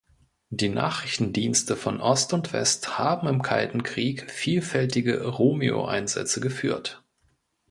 Die Nachrichtendienste von Ost und West haben im Kalten Krieg vielfältige Romeo-Einsätze geführt.